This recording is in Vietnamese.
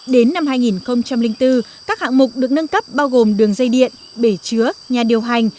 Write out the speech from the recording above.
đến năm hai nghìn bốn các hạng mục được nâng cấp bao gồm đường dây điện bể chứa nhà điều hành